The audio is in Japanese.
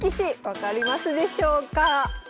分かりますでしょうか？